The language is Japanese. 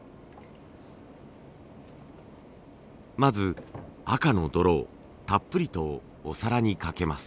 まず赤の泥をたっぷりとお皿にかけます。